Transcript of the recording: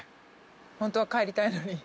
ホントは帰りたいのに。